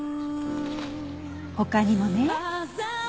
他にもね。